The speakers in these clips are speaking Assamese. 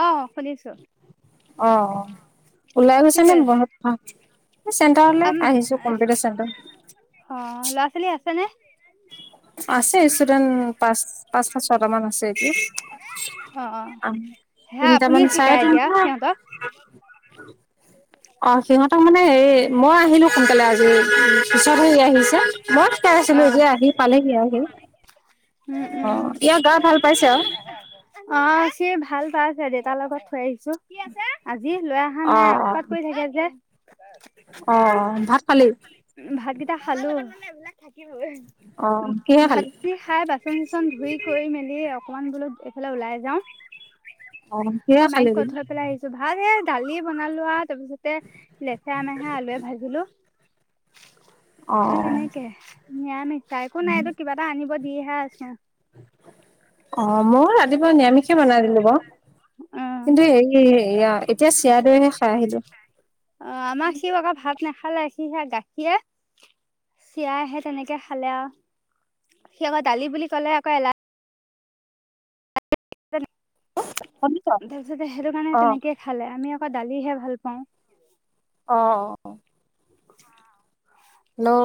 অ' শুনিছো। অ' অ'। ওলাই কি গৈছে নে কৰি আছা ঘৰত থাক চেণ্টাৰলৈ আম আহিছো কম্পিউটাৰ চেণ্টাৰ। অ', ল'ৰা ছোৱালী আছে নে? আছে ষ্টুডেণ্ট পাঁচ পাঁচটা ছয়টামান আছে এতিয়া। অ অ সেয়া তিনিটামান আপুনিয়ে চাৰে শিকাই এতিয়া তিনিটা সিহঁতক অ' সিহঁতক মানে হে মই আহিলো সোনকালে আজি। পিছত সি আহিছে মই শিকাই আছিলো অ এতিয়া আহি পালেহি আৰু সি। উম, উম। ভাল পাইছে আৰু অ' সি ভাল পাইছে দেউতাৰ লগত থৈ আহিছো আজি লৰা। হা অ নাই উৎপাত কৰি থাকে যে। অ' ভাত খালি? ভাতকেইটা খালোঁ থাকিবই অ কিহে ভাত খালি খাই বাচন চাচন ধুই কৰি মেলি অকমান বোলো এইফালে ওলাই যাওঁ। অ', কিহে খালী বোলো? ভাত এইয়া দালি বনালো আৰু তাৰপিছতে লেচেৰা মেহেৰা আলুৱে ভাজিলো। অ সেই তেনেকে নিৰামিষ পাই একো নাই এইটোক কিবা এটা আনিব দিহে আছোঁ। অ' ময়ো ৰাতিপুৱা নিৰামিষে বনাই দিলো বাৰু। অ কিন্তু এইয়া এতিয়া চিৰা দৈহে খাই আহিলো। অ', আমাৰ সিও আকৌ ভাত নাখালে সি সেয়া গাখীৰে চিৰাই সে তেনেকে খালে আৰু সি আকৌ দালি বুলি ক'লে আকৌ এলাহ [unintelligible] তাৰ পিছতে সেইটো কাৰণে অ তেনেকে খালে আমি আকৌ দালিহে ভাল পাওঁ। অ' অ'। হেল্লো'।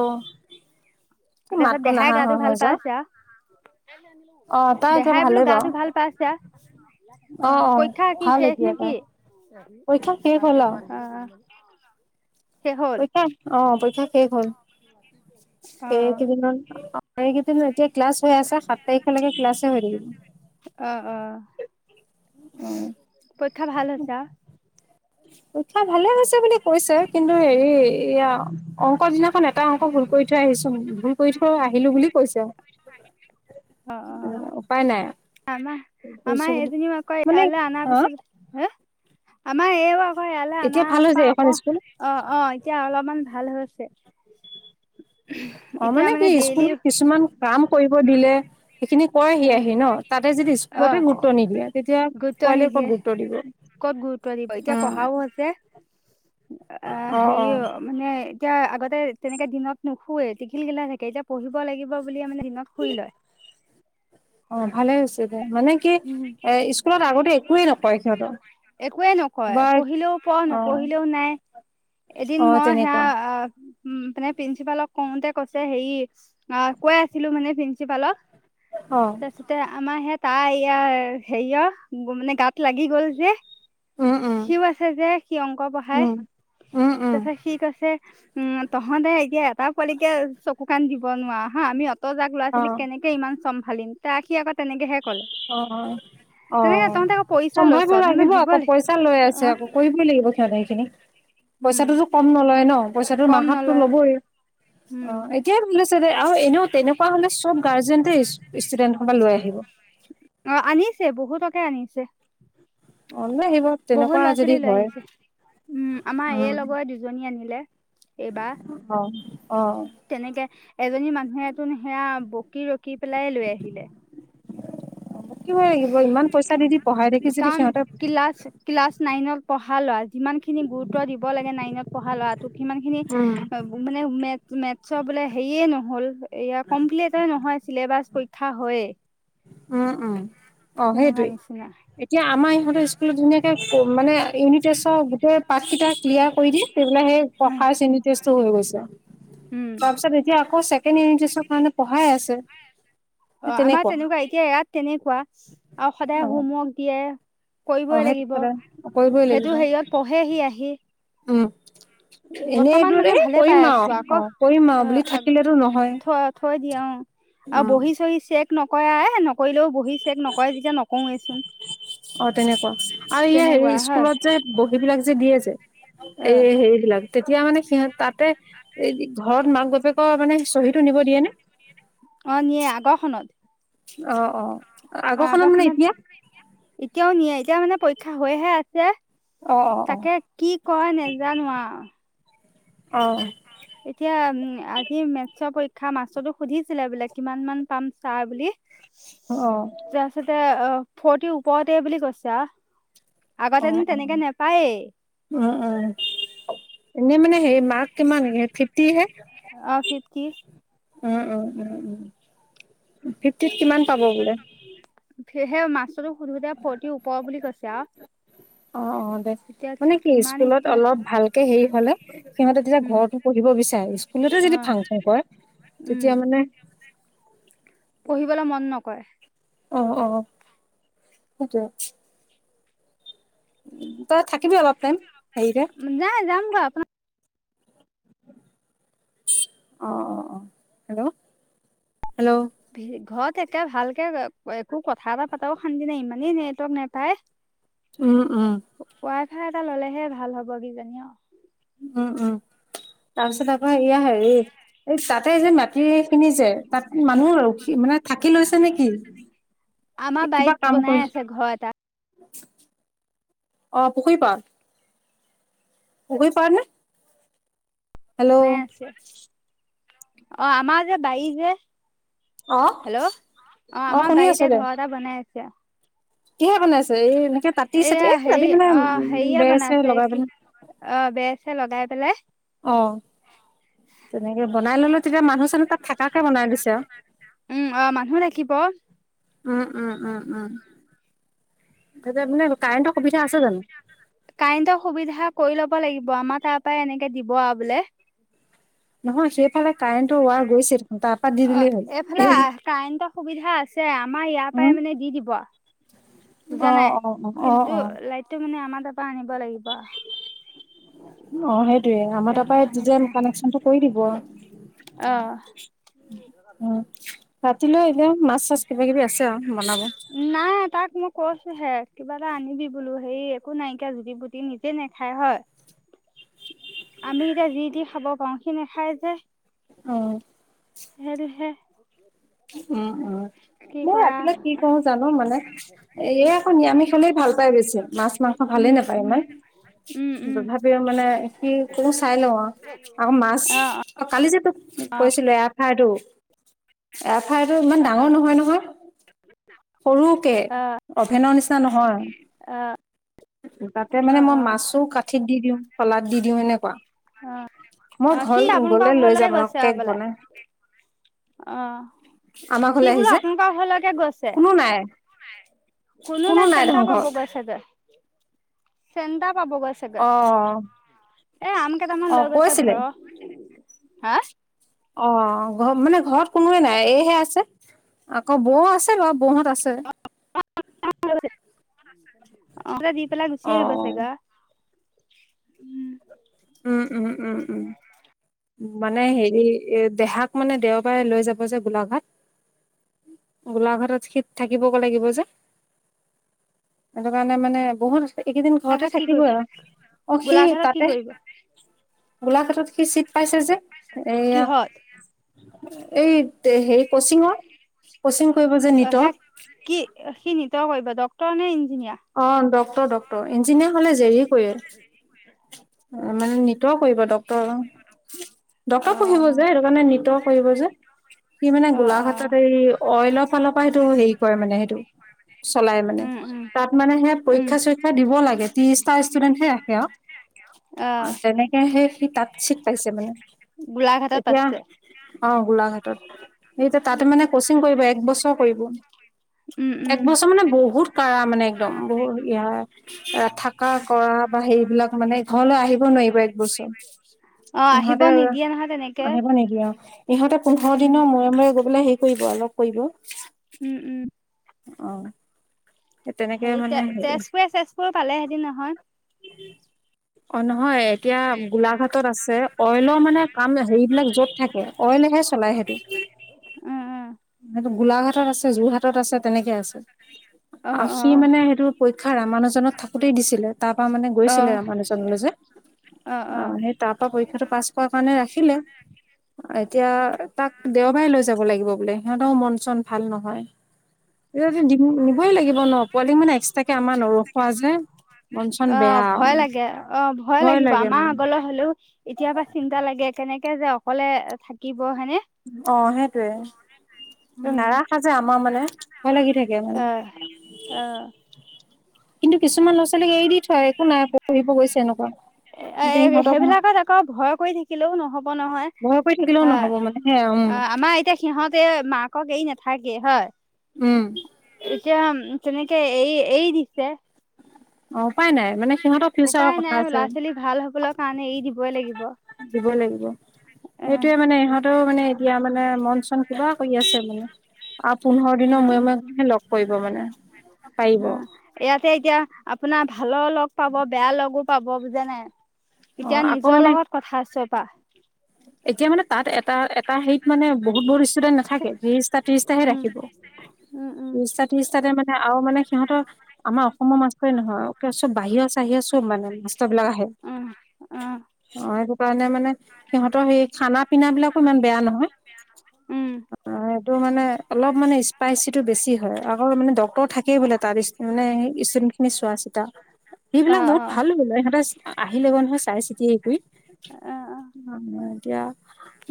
তাৰপিছত দেহাই গাটো ভাল যায়। পাইছে আ। অ তাই এতিয়া দেহাই বোলো ভালেই বাৰু। গাতো ভাল পাইছে। অ' অ পৰীক্ষা কি ভাল শেষ এতিয়া নে তাই। কি, অ'। পৰীক্ষা শেষ হ'ল আও। [unintelligible] হ'ল পৰীক্ষা, অ' পৰীক্ষা শেষ হ'ল, অ এই কেইদিনত এইকেইদিন এতিয়া ক্লাছ হৈ আছে সাত তাৰিখলৈকে ক্লাছে হৈ থাকিব। অ' অ', অ পৰীক্ষা ভাল হৈছে আ। পৰীক্ষা ভালে হৈছে বুলি কৈছে, কিন্তু হেৰি এয়া অংক দিনাখন [unintelligible] অ' এটা অংক ভুল কৰি থৈ আহিছো ভুল কৰি থৈ আহিলো বুলি কৈছে। অ' উম উপায় নাই আমা, কৰিছো আমাৰ বুলি এজনিও আকৌ মানে ইয়ালে অনা হা পিছত হে, আমৰ এইও আকৌ ইয়ালৈ অনা এতিয়া ভাল পা হৈছে এখন আকৌ স্কুল অ', অ' এতিয়া অলপমান ভাল হৈছে। অ' এতিয়া মানে কি ডেইলি এ স্কুলত কিছুমান কাম কৰিব দিলে সেইখিনি কয়হি আহি ন? তাতে যদি অ স্কুলতে গুৰুত্ব নিদিয়ে তেতিয়া গুৰুত্ব পোৱালি ক'ত নিদিয়ে গুৰুত্ব দিব? ক'ত গুৰুত্ব দিব, এতিয়া উম পঢ়াও হৈছে, আঁ অ অ হেৰি মানে এতিয়া আগতে তেনেকে দিনত নোশুৱে টিখিলগিলাই থাকে, এতিয়া পঢ়িব লাগিব বুলিয়ে মানে দিনত শুই লয়। অ' ভালে হৈছে দে, মানে কি উম এ স্কুলত আগতে একোৱে নকয় সিহঁতক। একোৱে নকয় বা পঢ়িলেও পঢ় অ নপঢ়িলেও নাই। এদিন অ মই সেয়া তেনেকুৱা উ মানে প্ৰিঞ্চিপালক কওঁতে কৈছে হেৰি অ' কৈ আছিলো মানে প্ৰিঞ্চিপালক অ'। তাতে আমাৰ সেই তাৰ ইয়াৰ হেৰিয়াৰ মানে গাত লাগি গ'ল যে উম উম সিও আছে যে সি অংক পঢ়ায়, উম উম উম তাৰ পাছত সি কৈছে উম, তহঁতে এতিয়া এটা পোৱালিকে চকু কাণ দিব নোৱাৰ হা'। আমি অত অত যাক ল'ৰা অ ছোৱালী কেনেকে ইমান চম্ভালিম ত আহ সি আকৌ তেনেকে ক'লে অ', অ'। তহঁতে আকৌ পইচা চম্ভালিব লৈছ তেন্তে লাগিব দিব আকৌ পইচা লৈ আছে অ' আকৌ কৰিবই লাগিব সিহঁত সেইখিনি। উম। পইচাটোতো কম নলয় ন? পইচাটো কম মাহতো নলয় ল'বই উম অ'। এতিয়াই ভালছে আৰু এনেও তেনেকুৱা হ'লে চব গাৰ্জেন ষ্টুডেণ্টৰ সোপা লৈ আহিব। অ' আনিছেই বহুতকে আনিছে। অ' লৈ আহিব। বহুত তেনেকুৱা ল'ৰা যদি ছোৱালী লৈ হয় আহিছে, উম, আমাৰ উম এই লগৰে দুজনী আনিলে। এইবাৰ অ', অ'। তেনেকে, এজনী মানুহ তো সেইয়া বকি ৰকি পেলাই লৈ আহিলে। বকিবই লাগিব, ইমান পইচা দি দি পঢ়াই থাকি যদি সিহঁতে কিলাচ ক্লাছ নাইনত পঢ়া ল'ৰা, যিমান খিনি গুৰুত্ব দিব লাগে নাইনত পঢ়া ল'ৰাটোক সিমান খিনি উম অ মানে মে মেথছৰ বোলে হেৰিয়ে নহ'ল এইয়া কমপ্লিটেই নহয় চিলেবাছ পৰীক্ষা হয়য়েই। উম, উম অ' তেনেকুৱা সেইটোৱেই। নিচিনা এতিয়া আমাৰ ইহঁতৰ স্কুলত ধুনীয়াকৈ মানে ইউনিট টেষ্টৰ গোটেই পাৰ্টকেইটা ক্লিয়াৰ কৰি দিয়ে। দি পেলাই সেই ফাৰ্ষ্ট ইউনিট টেষ্টো হৈ গৈছে। উম। হোৱাৰপিছত এতিয়া আকৌ ছেকেণ্ড ইউনিট টেষ্টৰ কাৰনে পঢ়াই আছে। অ' আমাৰ তেনেকুৱা এতিয়া ইয়াত তেনেকুৱা আৰু অ সদায় হোম ৱৰ্ক দিয়ে। অ কৰিবই সেইটো লাগিব, সদায় কৰিবই সেইটো লাগিব হেৰিয়াত পঢ়েহি আহি। উম। এনেই বৰ্তমান এইদৰে মানে ভালে পাই কৰিমা আছো আকৌ আৰু অ' কৰিম আৰু বুলি অ', আগ থাকিলেতো নহয়। থৈ থৈ দিয়ে অ'। আৰু উম বহি চহি চেক নকৰে এ নকৰিলেও বহি চেক নকৰে যেতিয়া নকৰোৱেচোন। অ' তেনেকুৱা, আৰু ইয়ে তেনেকুৱা হেৰি হয় স্কুলত যে বহী বিলাক যে দিয়ে যে, অ', এই হেৰি বিলাক তেতিয়া মানে সিহঁত তাতে এ ঘৰত মাক বাপেকৰ মানে চহীটো নিব দিয়ে নে? অঁ নিয়ে আগৰখনত। অ অ, আগৰখনত মানে এতিয়া? এতিয়াও নিয়ে এতিয়া মানে পৰীক্ষা হৈহে আছে। অ অ তাকে কি কয় নেজানো আও। অ। এতিয়া উম আজি মেটছৰ পৰীক্ষা মাষ্টৰক সুধিছিলে বোলে কিমান মান পাম ছাৰ বুলি। অ। তাৰপিছতে অ ফৰ্টি ওপৰতে বুলি কৈছে আও। আগতেনো তেনেকুৱা নেপায়েই। ওম ওম, এনেই মানে সেই মাৰ্ক কিমান ফিফটি হে? অ ফিফটি। ওম ওম ওম, ফিফটিত কিমান পাব বোলে? সে সেই মাষ্টৰটোক সুধোতে ফৰ্তি ওপৰ বুলি কৈছে আও। অ অ দে, মানে কি স্কুলত এতিয়া অলপ ভালকে হেৰি হলে সিহঁতে তেতিয়া উম ঘৰটো - পঢ়িব বিচাৰে, স্কুলতে অ যদি ফাং ফুং কৰে তেতিয়া মানে- পঢ়িবলে মন নকৰে। অ অ, সেইটোৱে। তই থাকিবি অলপ টাইম, হেৰিতে? নাই যাম গৈ আপোনা- অ অ অ হেল্লো' হেল্লো' ভি ঘৰত একে ভালকে একো কথা এটা পাতাও শান্তি নাই ইমানেই নেটৱৰ্ক নেপায়। উম উম। ৱাই ফাই এটা ললেহে ভাল হব কিজানি আও। উম উম, তাৰ পিছত আকৌ এয়া হেৰি এই তাতে যে মাটি এইখিনি যে তাত মানুহ ৰখি মানে থাকি লৈছে নেকি? আমাৰ বাৰীত বনাই আছে ঘৰ এটা। অ পুখুৰী পাৰত? পুখুৰী পাৰত নে? হেল্লো' বনাই অ আমাৰ যে বাৰী যে অ হেল্লো', অ আমাৰ বাৰীতে ঘৰ এটা বনাই আছে। কিহেৰে বনাইছে? এই এনেকে তাতি এয়া চাতি এই হেৰি তাতি কিনে অ উম হেৰিয়ে বেৰ বনাইছে চেৰ লগাই কি পিনে। অ বেৰ চেৰ লগাই পেলেই অ, তেনেকে বনাই ল'লে। তেতিয়া মানুহ চানুহ তাত থকাকে বনাই দিছে আও। উম অ মানুহ ৰাখিব উম উম উম উম, তেতিয়া পিনে কাৰেণ্টৰ সুবিধা আছে জানো? কাৰেণ্টৰ সুবিধা কৰি ল'ব লাগিব আমাৰ তাৰ পৰা এনেকে দিব আও বোলে। নহয় সেইফালে কাৰেণ্টৰ ৱাৰ গৈছিল। অ এইফালে কাৰেণ্টৰ সুবিধা আছে আমাৰ ইয়াৰ উম পৰাই মানে দি দিব আও। বুজা অ নাই, অ অ কিন্তু অ লাইটটো মানে আমাৰ তাৰপৰা আনিব লাগিব আও। অ সেইটোৱে, আমাৰ তাৰপৰা যেন নিচিনা কানেকচনটো কৰি দিব। অ। উম, ৰাতিলৈ এতিয়া মাছ চাছ কিবা কিবি আছে আও বনাব। নাই তাক মই কৈছোঁ হে কিবা এটা আনিবি বোলো হেই একো নাইকিয়া জুতি পুটি নি- নেখায় হয়। [unintelligible] আমি এতিয়া যি তি খাব পাৰোঁ, সি নেখায় যে। অ। সেইটোহে। উম উম। কি মো কৰা ৰাতিলৈ কি কৰো জানো, মানে এ আকৌ নিৰামি খালেই ভাল পায় বেছি মাছ মাংস। ভালে উম নাপায় উম ইমান। উম উম। তথাপিও মানে কি কৰো চাই লওঁ আকৌ মাছ। অ অঁ কালি যে তোক কৈছিলোঁ, এফাইটো। এফ আই আৰটো ইমান ডাঙৰ নহয় নহয়। সৰুকে অভেনৰ নিচিনা নহয়। তাতে অ অ মানে মই মাছো কাঠিত দি দিওঁ। শলাত দি দিওঁ এনেকুৱা অ। মই অ সি ঘৰ আপোনালোকৰ গলে লৈ ঘৰলৈ যাম ৰ গৈছে কেক হবলা বনাই অ। আমাৰ সি ঘৰলে বোলো আহিছে আপোনালোকৰ ঘৰলৈকে গৈছে। কোনো নাই কোনো নাই চেন্টাৰ পাব গৈছে যে, চেন্টাৰ পাব গৈ চাগে। অ। এ আম কেইটামান অ লৈ গৈছে কৈছিলে ঘৰৰ, হা। অ ঘৰত মানে ঘৰত কোনোৱে নাই এইহে আছে। আকৌ বৌ আছে বাৰু বৌহঁত আছে। অ দি পেলায় গুছিয়ে আহিবা চাগে। উম উম উম উম। মানে হেৰি দেহাক মানে দেওবাৰে লৈ যাব যে গোলাঘাট। গোলাঘাটত শীত থাকিব লাগিব যে। সেইটো কাৰণে মানে বহুত এইকেইদিন ঘৰতে গোলাঘাট কি কৰি থাকিবই আৰু অ সি গোলাঘাটত কি তাতে। কৰিব গোলাঘাটত সি চিট পাইছে যে এয়া। কিহত এই হে কচিঙৰ। কচিং কৰিব যে। অ নিটৰ সে কি সি নিত কৰিব ডক্টৰ নে ইঞ্জিনিয়াৰ? অ ডক্টৰ ডক্টৰ। ইঞ্জিনিয়াৰ হ'লে জে ই কৰে মানে নিটৰ কৰিব ডক্টৰ। ডক্টৰ পঢ়িব যে অ সেইটো কাৰণে নিটৰ কৰিব যে। সি মানে অ অ গোলাঘাটত এই অইলৰ ফালৰ পৰা সেইটো হেৰি কৰে মানে সেইটো। চলাই মানে। উম উম তাত মানে সেয়া উম পৰীক্ষা চৰীক্ষা দিব লাগে ত্ৰিশটা ষ্টুডেন্টহে ৰাখে অ আৰু। তেনেকেহে সি তাঁত চিট পাইছে মানে। গোলাঘাটত এতিয়া আছে। অ গোলাঘাটত, এতিয়া তাতে মানে কচিং কৰিব এক বছৰ কৰিব। উম উম একবছৰ মানে বহুত কাঢ়া মানে একদম বহুত ই হয় থাক। ককা কৰা বা সেইবিলাক মানে ঘৰলৈ আহিব নোৱাৰিব এক বছৰ। অ আহিব ইহঁতে। নিদিয়ে নহয় তেনেকে আহিব নিদিয়ে অ, ইহঁতে পোন্ধৰ উম দিনৰ মূৰে মূৰে গৈ পেলে হেৰি কৰিব লগ কৰিব। উম উম। আহ। হেৰি তে তেজপুৰ, তেজপুৰ পালেহেঁতিন নহয়। [inaudible] অ নহয় এতিয়া গোলাঘাটত, আছে অইলৰ মানে কাম হেৰি বিলাক যত থাকে। অইলে চলাই সেটো। উম উম সেটো গোলাঘাটত, আছে যোৰহাটত, আছে তেনেকে আছে। অ অ সি মানে সেইটো পৰীক্ষা ৰামানুজনত থাকোতেই দিছিলে। তাৰ পৰা মানে অ গৈছিলে মানুহলৈ যে অ অ আহ সেই তাৰ পৰীক্ষাটো পাছ কাৰণে ৰাখিলে এতিয়া তাক দেওবাৰে লৈ যাব লাগিব বোলে। সিহঁতৰও মন চন ভাল নহয়। নিবই লাগিব ন পোৱালি মানে এক্সট্ৰকে আমাৰ নৰখোৱা যে। মন চন অ বেয়া ভয় লাগে অ ভয় লাগিব লাগে আমাৰ মানে আগলৈ হলেও- এতিয়া পা চিন্তা লাগে কেনেকে যে অকলে থাকিব হয়নে। অ' সেইটোয়ে। নাৰাখা যে আমাৰ মানে ভয় লাগি থাকে অ মানে। অ কিন্তু, কিছুমান লৰা ছোৱালীক এৰি দি থয় একো নাই পঢ়িব গৈছে এনেকুৱা। এ, কিন্তু সিহঁতক সেইবিলাকত আকৌ' ভয় কৰি থাকিব- থাকিলেও নহ'ব নহয় ভয় কৰি থাকিলেও ন। নহব মানে সে উম অ' আমাৰ এতিয়া,। সিহঁতে মাকক এৰি নাথাকে হয়। উম'। এতিয়া তেনেকে এই এৰি এৰি দিছে। অ' উপাই নাই। মানে সিহঁতৰ ফিউচাৰৰ উপায় নাই কথা আছে ল'ৰা ছোৱালী ভাল হবলৈ কাৰণে এৰি দিবই লাগিব অ আৰু দিবই লাগিব। অ এইটোয়ে মানে ইহঁতেও মানে এতিয়া মানে মন চন কিবা কৰি আছে মানে। আহ পোন্ধৰ দিনৰ মূৰে -মূৰে লগ কৰিব মানে পাৰিব। অ ইয়াতে এতিয়া আপোনাৰ ভালৰ লগ পাব বেয়া লগো পাব বুজে নে। অ এতিয়া আকৌ নিজৰ মানে লগত কথা আছেপা। এতিয়া মানে তাত এটা এটা হত মানে বহুত- বহুত ইসটুডেন্ট আছে। থাকে ত্ৰিশটা ত্ৰিশটা হে উম ৰাখিব উম উম ত্ৰিশটা ত্ৰিশটাতে মানে আৰু মানে সিহঁতৰ আমাৰ অসমৰ মাষ্টৰেই নহয় চব বাহিৰৰ চাহিৰৰ চব মানে মাষ্টৰ বিলাক আহে। উম উম অ সেইটো কাৰণে মানে সিহঁতৰ সেই খানা- পিনা বিলাকো ইমান বেয়া নহয়। উম অ এইটো মানে অলপ মানে স্পাইচিটো বেছি হয়। আকৌ মানে ডক্তৰ, থাকেই বোলে তাৰ মানে ইঈখি [unintelligible] নি চোৱা চিতা অ সেইবিলাক বহুত অ ভাল বোলে। সিহঁতে আহিলে নহয় চাই চিতি হেৰি কৰি। অ' অ' অ' এতিয়া,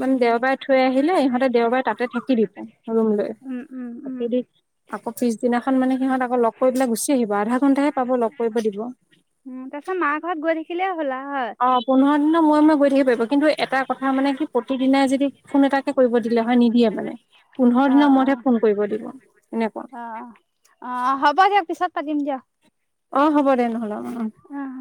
মানে, দেওবাৰে থৈ আহিলে সিহঁতে দেওবাৰে তাতে থাকি দিবা ৰুম লৈ। উম উম উম তাকে দি, আকৌ' পিছদিনাখন মানে সিহঁত আকৌ লগ পেলাই গুচি আহিব আধা ঘণ্টাাহে পাব লগ কৰিব দিব। উম তাৰ পিছত মাহ হত গৈ থাকিলে হ'ল হয়। অ' পোন্ধৰ দিনৰ মূৰে- মূৰে গৈ থাকিব পাৰিব কিন্তু এটা কথা মানে, কি প্ৰতিদিদিনাই যদি ফোন এটাকে কৰিব দিলে হয় নিদিয়ে মানে। পোন্ধৰ অ অ দিনৰ মূৰতহে ফোন কৰিব দিব এনেকুৱা। অ' অ হব দিয়ক পিছত পাতিম দিয়ক। অ' হ'ব দে নহ'লে অ' উম।